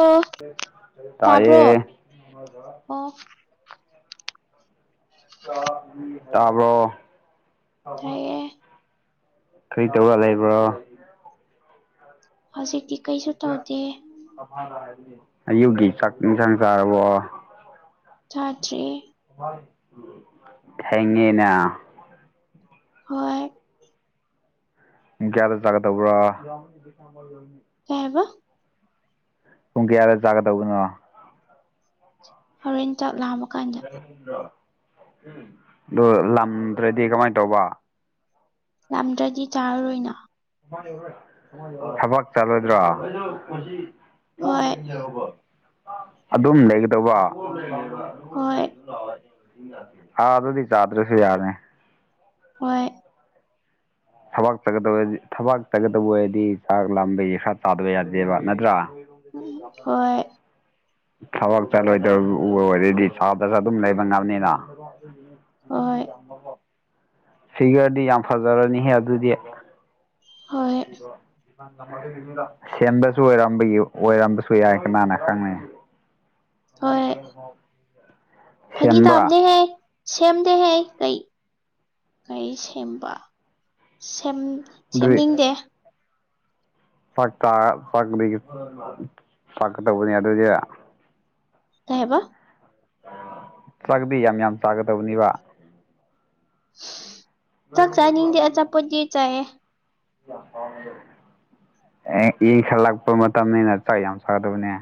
ꯑꯣ ꯇꯥꯕ꯭ꯔꯣ ꯇꯥꯏꯌꯦ ꯑꯣ ꯇꯥꯕ꯭ꯔꯣ ꯇꯥꯏꯌꯦ ꯀ꯭ꯔꯤ ꯇꯧꯔ ꯂꯩꯕ꯭ꯔꯣ ꯍꯧꯖꯤꯛꯇꯤ ꯀꯩꯁꯨ ꯇꯧꯗꯦ ꯑꯌꯨꯒꯤ ꯆꯥꯛ ꯏꯟꯖꯥꯡ ꯆꯥꯔꯕꯣ ꯆꯥꯗ꯭ꯔꯤ ꯊꯦꯡꯉꯤꯅ ꯍꯣꯏ ꯄꯨꯡ ꯀꯌꯥꯗ ꯆꯥꯒꯗꯧꯕ꯭ꯔꯥ ꯀꯩ ꯍꯥꯏꯕ ꯄꯨꯡ ꯀꯌꯥꯗ ꯆꯥꯒꯗꯧꯕꯅꯣ ꯍꯣꯔꯦꯟ ꯆꯥꯛ ꯂꯥꯝꯕ ꯀꯥꯟꯗ ꯑꯗꯣ ꯂꯝꯗ꯭ꯔꯗꯤ ꯀꯃꯥꯏꯅ ꯇꯧꯕ ꯂꯥꯝꯗ꯭ꯔꯗꯤ ꯆꯥꯔꯔꯣꯏꯅ ꯊꯕꯛ ꯆꯠꯂꯣꯏꯗ꯭ꯔꯣ ꯍꯣꯏ ꯑꯗꯨꯝ ꯂꯩꯒꯗꯧꯕ ꯍꯣꯏ ꯁꯥꯗꯨꯗꯤ ꯆꯥꯗ꯭ꯔꯁꯨ ꯌꯥꯅꯤ ꯍꯣꯏ ꯊꯕꯥꯛ ꯆꯠꯒꯗꯕ ꯊꯕꯥꯛ ꯆꯠꯒꯗꯕ ꯑꯣꯏꯔꯗꯤ ꯆꯥꯛ ꯂꯥꯝꯕꯒꯤ ꯈꯔ ꯆꯥꯗꯕ ꯌꯥꯗꯦꯕ ꯅꯠꯇ꯭ꯔꯥ ꯍꯣꯏ ꯊꯕꯛ ꯆꯠꯂꯣꯏꯗ ꯑꯣꯏꯔꯗꯤ ꯆꯥꯗ꯭ꯔꯁꯨ ꯑꯗꯨꯝ ꯂꯩꯕ ꯉꯝꯅꯤꯅ ꯍꯣꯏ ꯐꯤꯒꯔꯗꯤ ꯌꯥꯝ ꯐꯖꯔꯅꯤꯍꯦ ꯑꯗꯨꯗꯤ ꯍꯣꯏ [inaudible] ꯁꯦꯝꯕꯁꯨ ꯑꯣꯏꯔꯝꯕꯒꯤ ꯑꯣꯏꯔꯝꯕꯁꯨ ꯌꯥꯏ ꯀꯅꯥꯅ ꯈꯪꯅꯤ [inaudible] ꯐꯒꯤ ꯁꯦꯝꯕ꯭ꯔꯥ ꯇꯧꯕꯅꯤꯍꯦ ꯁꯦꯝꯗꯦꯍꯦ ꯀꯩ ꯀꯩ ꯁꯦꯝꯕ ꯁꯦꯝ ꯁꯦꯝꯅꯤꯡꯗꯦ [unintelligible] ꯀꯗꯧꯕꯅꯦ ꯑꯗꯨꯗꯤ ꯀꯩ ꯍꯥꯏꯕ ꯆꯥꯛꯗꯤ ꯌꯥꯝ ꯌꯥꯝ ꯆꯥꯒꯗꯧꯕꯅꯤꯕ ꯆꯥꯛ ꯆꯥꯅꯤꯡꯗꯦ ꯑꯆꯄꯣꯇꯤ ꯆꯥꯏꯌꯦ ꯑꯦ ꯏꯪꯈꯠꯂꯛꯄ ꯃꯇꯝꯅꯤꯅ ꯆꯥꯛ ꯌꯥꯝ ꯆꯥꯒꯗꯕꯅꯦ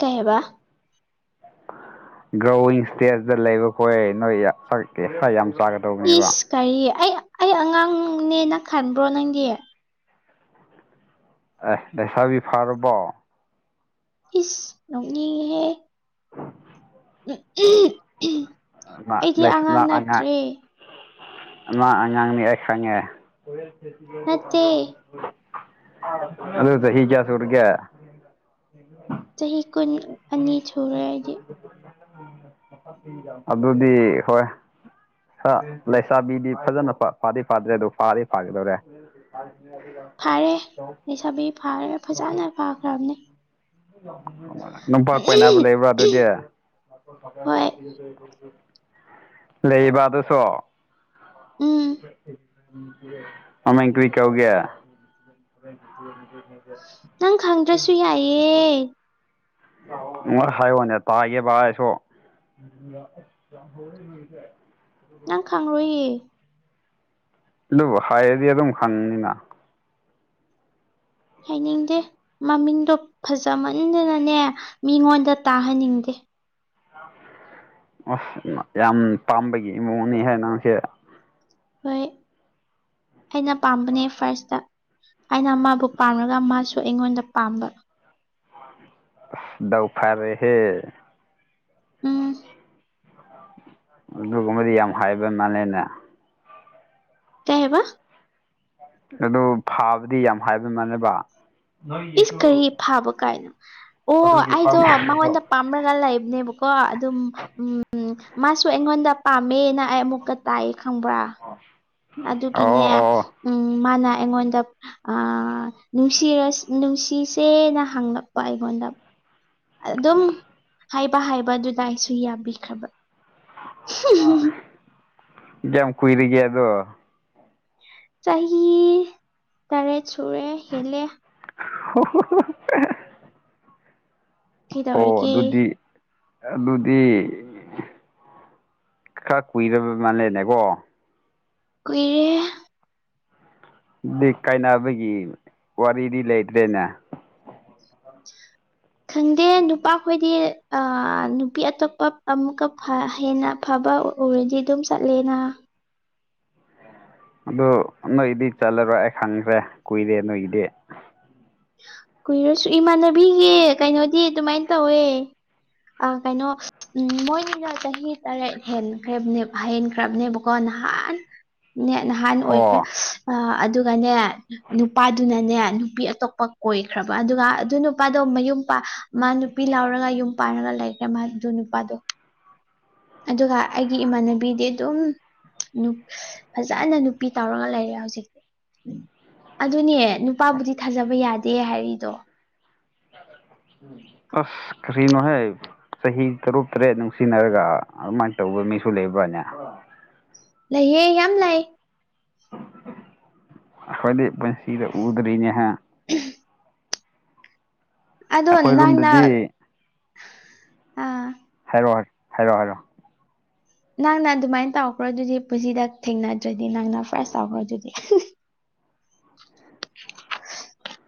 ꯀꯩ ꯍꯥꯏꯕ ꯒ꯭ꯔꯣꯋꯤꯡ ꯏꯁꯇꯦꯖꯇ ꯂꯩꯕ ꯈꯣꯏ ꯅꯣꯏ ꯆꯛ ꯌꯥꯝ ꯆꯥꯒꯗꯧꯕꯅꯦꯕ ꯆꯍꯤ ꯑꯩ ꯑꯩ ꯑꯉꯥꯡꯅꯦꯅ ꯈꯟꯕ꯭ꯔꯣ ꯅꯪꯗꯤ ꯑꯦ ꯂꯩꯁꯥꯕꯤ ꯐꯥꯔꯕꯣ ꯏꯁ ꯅꯣꯛꯅꯤꯡꯉꯦꯍꯦ ꯎꯝ ꯎꯝ ꯎꯝ ꯑꯩꯗꯤ ꯑꯉꯥꯡ ꯅꯪ ꯅꯠꯇ꯭ꯔꯦ ꯑꯉꯥꯡ ꯑꯉꯥꯡꯅꯤ ꯑꯩ ꯈꯪꯉꯦ ꯅꯠꯇꯦ ꯑꯗꯨ ꯆꯍꯤ ꯀꯌꯥ ꯁꯨꯔꯒꯦ [unintelligible] ꯆꯍꯤ ꯀꯨꯟ ꯑꯅꯤ ꯁꯨꯔꯦ ꯑꯩꯗꯤ ꯑꯗꯨꯗꯤ ꯍꯣꯏ ꯈꯔ ꯂꯩꯁꯥꯕꯤꯗꯤ ꯐꯖꯅ ꯐꯥꯗꯤ ꯐꯥꯗ꯭ꯔꯤ ꯑꯗꯨ ꯐꯥꯗꯤ ꯐꯥꯒꯗꯧꯔꯦ [unintelligible] ꯐꯥꯔꯦ ꯂꯩꯁꯥꯕꯤ ꯐꯥꯔꯦ ꯐꯖꯅ ꯐꯥꯈ꯭ꯔꯕꯅꯦ ꯅꯨꯄꯥ ꯀꯣꯏꯅꯕ ꯂꯩꯕ꯭ꯔꯥ ꯑꯗꯨꯗꯤ ꯍꯣꯏ ꯂꯩꯕ ꯑꯗꯨꯁꯨ ꯎꯝ ꯃꯃꯤꯡ ꯀ꯭ꯔꯤ ꯀꯧꯒꯦ [unintelligible] ꯅꯪ ꯈꯪꯗ꯭ꯔꯁꯨ ꯌꯥꯏꯌꯦ [unintelligible] ꯍꯥꯏꯌꯣꯅꯦ ꯇꯥꯒꯦꯕꯥ ꯑꯩꯁꯨ ꯅꯪ ꯈꯪꯔꯣꯏꯌꯦ ꯑꯗꯨꯕꯨ ꯍꯥꯏꯔꯗꯤ ꯑꯗꯨꯝ ꯈꯪꯅꯤꯅ ꯍꯥꯏꯅꯤꯡꯗꯦ ꯃꯃꯤꯡꯗꯣ ꯐꯖꯃꯟꯗꯅꯅꯦ ꯃꯤꯉꯣꯟꯗ ꯇꯥꯍꯟꯅꯤꯡꯗꯦ ꯑꯁ ꯌꯥꯝ ꯄꯥꯝꯕꯒꯤ ꯃꯑꯣꯡꯅꯤꯍꯦ ꯅꯪꯁꯦ ꯍꯣꯏ ꯑꯩꯅ ꯄꯥꯝꯕꯅꯦ ꯐꯥꯔꯁꯇ ꯑꯩꯅ ꯃꯥꯕꯨ ꯄꯥꯝꯔꯒ ꯃꯥꯁꯨ ꯑꯩꯉꯣꯟꯗ ꯄꯥꯝꯕ ꯗꯥꯎ ꯐꯥꯔꯦꯍꯦ ꯎꯝ ꯑꯗꯨꯒꯨꯝꯕꯗꯤ ꯌꯥꯝ ꯍꯥꯏꯕ ꯃꯥꯜꯂꯦꯅꯦ ꯀꯩ ꯍꯥꯏꯕ ꯑꯗꯨ ꯐꯥꯕꯗꯤ ꯌꯥꯝ ꯍꯥꯏꯕ ꯃꯥꯜꯂꯦꯕ ꯏꯁ ꯅꯣꯢꯒꯤꯁꯨ ꯀꯔꯤ ꯐꯥꯕ ꯀꯥꯏꯅ ꯑꯣ ꯑꯩꯗꯣ ꯃꯉꯣꯟꯗ ꯄꯥꯝ ꯃꯔ ꯂꯩꯕꯅꯦꯕꯀꯣ ꯑꯗꯨꯝ ꯎꯝ ꯃꯥꯁꯨ ꯑꯩꯉꯣꯟꯗ ꯄꯥꯝꯃꯦꯅ ꯑꯩ ꯑꯃꯨꯛꯀ ꯇꯥꯏ ꯈꯪꯕ꯭ꯔꯥ ꯑꯣ ꯑꯗꯨꯒꯤꯅꯦ ꯑꯣ ꯎꯝ ꯃꯥꯅ ꯑꯩꯉꯣꯟꯗ ꯑꯥ ꯅꯨꯡꯁꯤꯔꯁ ꯅꯨꯡꯁꯤꯁꯦꯅ ꯍꯪꯂꯛꯄ ꯑꯩꯉꯣꯟꯗ ꯑꯗꯨꯝ ꯍꯥꯏꯕ ꯍꯥꯏꯕ ꯑꯗꯨꯗ ꯑꯩꯁꯨ ꯌꯥꯕꯤꯈ꯭ꯔꯕ ꯀꯌꯥꯝ ꯀꯨꯏꯔꯒꯦ ꯑꯗꯣ ꯆꯍꯤ ꯇꯔꯦꯠ ꯁꯨꯔꯦ ꯍꯦꯜꯂꯦ ꯍꯣꯍꯣ ꯍꯣ ꯍꯣ ꯍꯦ ꯍꯦ ꯑꯣ ꯀꯩꯗꯧꯔꯤꯒꯦ ꯑꯗꯨꯗꯤ ꯑꯗꯨꯗꯤ ꯈꯔ ꯀꯨꯏꯔꯕ ꯃꯥꯜꯂꯦꯅꯦꯀꯣ ꯀꯨꯏꯔꯦ ꯗꯤ ꯀꯥꯏꯅꯕꯒꯤ ꯋꯥꯔꯤꯗꯤ ꯂꯩꯇ꯭ꯔꯦꯅꯦ ꯈꯪꯗꯦ ꯅꯨꯄꯥꯈꯣꯏꯗꯤ ꯑꯥ ꯅꯨꯄꯤ ꯑꯇꯣꯞꯄ ꯑꯃꯨꯛꯀ ꯐꯥ ꯍꯦꯟꯅ ꯐꯕ ꯑꯣꯏꯔꯗꯤ ꯑꯗꯨꯝ ꯆꯠꯂꯦꯅ ꯑꯗꯨ ꯅꯣꯏꯒꯤꯗꯤ ꯆꯠꯂꯔꯣꯏ ꯑꯩ ꯈꯪꯈ꯭ꯔꯦ ꯀꯨꯏꯔꯦ ꯅꯣꯏꯒꯤꯗꯤ ꯀꯨꯏꯔꯁꯨ ꯏꯃꯥꯟꯅꯕꯤꯒꯤ ꯀꯩꯅꯣꯗꯤ ꯑꯗꯨꯃꯥꯏꯟ ꯇꯧꯋꯦ ꯑ ꯀꯩꯅꯣ ꯎꯝ ꯃꯣꯏꯅꯤꯅ ꯆꯍꯤ ꯇꯔꯦꯠ ꯍꯦꯟꯈ꯭ꯔꯦꯕꯅꯦ ꯍꯦꯟꯈ꯭ꯔꯕꯅꯦꯕꯀꯣ ꯅꯍꯥꯟ ꯅꯦꯠ ꯅꯍꯥꯟ ꯑꯣ ꯑꯣꯏꯈ꯭ꯔꯦ ꯑ ꯑꯗꯨꯒꯅꯦ ꯅꯨꯄꯥꯗꯨꯅꯅꯦ ꯅꯨꯄꯤ ꯑꯇꯣꯞ ꯄ ꯀꯣꯏꯈ꯭ꯔꯕ ꯑꯗꯨꯒ ꯑꯗꯨ ꯅꯨꯄꯥꯗꯣ ꯃꯌꯨꯝ ꯄꯥ ꯃꯥ ꯅꯨꯄꯤ ꯂꯥꯎꯔꯒ ꯌꯨꯝ ꯄꯥꯜꯔꯒ ꯂꯩ ꯌꯥꯝ ꯍꯠ ꯑꯗꯨ ꯅꯨꯄꯥꯗꯣ ꯑꯗꯨꯒ ꯑꯩꯒꯤ ꯏꯃꯥꯟꯅꯕꯤꯗꯤ ꯑꯗꯨꯝ ꯅꯨꯞ ꯐꯖꯅ ꯅꯨꯄꯤ ꯇꯧꯔꯒ ꯂꯩꯔꯦ ꯍꯧꯖꯤꯛꯇꯤ ꯑꯗꯨꯅꯦ ꯅꯨꯄꯥꯕꯨꯗꯤ ꯊꯥꯖꯕ ꯌꯥꯗꯦ ꯍꯥꯏꯔꯤꯗꯣ ꯑꯁ ꯀꯔꯤ ꯅꯣꯍꯦ ꯆꯍꯤ ꯇꯔꯨꯛ ꯇꯔꯦꯠ ꯅꯨꯡꯁꯤꯅꯔꯒ ꯑꯗꯨꯃꯥꯏꯟ ꯇꯧꯕ ꯃꯤꯁꯨ ꯂꯩꯕ꯭ꯔꯅꯦ ꯂꯩꯍꯦ ꯌꯥꯝ ꯂꯩ ꯑꯩꯈꯣꯏꯗꯤ ꯄꯨꯟꯁꯤꯗ ꯎꯗ꯭ꯔꯤꯅꯦ ꯍꯥ [unintelligible] ꯑꯗꯣ ꯑꯩꯈꯣꯏ ꯅꯥꯡꯅ ꯔꯨꯝꯗꯗꯤ ꯑ ꯍꯥꯏꯔꯛꯑꯣꯍꯩ ꯍꯥꯏꯔꯛꯑꯣ ꯍꯥꯏꯔꯛꯑꯣ ꯅꯪꯅ ꯑꯗꯨꯃꯥꯏꯟ ꯇꯧꯈ꯭ꯔꯣ ꯑꯗꯨꯗꯤ ꯄꯨꯟꯁꯤꯗ ꯊꯦꯡꯅꯗ꯭ꯔꯗꯤ ꯅꯪꯅ ꯐꯥꯔꯁ ꯇꯧꯈ꯭ꯔꯣ ꯑꯗꯨꯗꯤ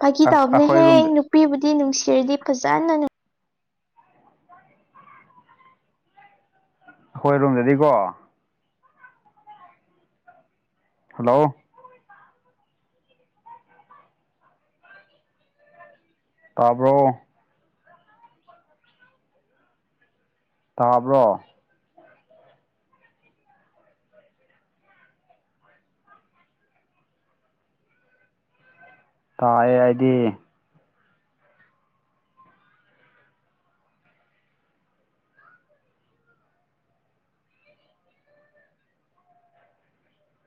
ꯐꯥꯒꯤ ꯑꯩꯈꯣꯏ ꯇꯧꯕꯅꯦꯍꯦ ꯔꯨꯝꯗ ꯅꯨꯄꯤꯕꯨꯗꯤ ꯅꯨꯡꯁꯤꯔꯗꯤ ꯐꯖꯅ ꯑꯈꯣꯏ ꯔꯣꯝꯗꯗꯤꯀꯣ ꯍꯜꯂꯣ ꯇꯥꯕ꯭ꯔꯣ ꯇꯥꯕ꯭ꯔꯣ ꯇꯥꯏꯑꯦ ꯑꯩꯗꯤ